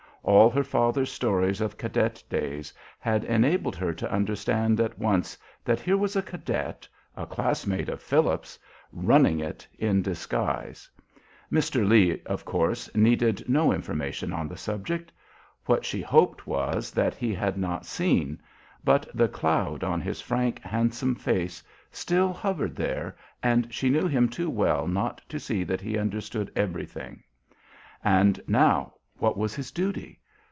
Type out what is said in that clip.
All her father's stories of cadet days had enabled her to understand at once that here was a cadet a classmate of Philip's "running it" in disguise. Mr. Lee, of course, needed no information on the subject. What she hoped was, that he had not seen; but the cloud on his frank, handsome face still hovered there, and she knew him too well not to see that he understood everything. And now what was his duty?